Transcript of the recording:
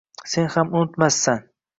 Sen ham unutmassan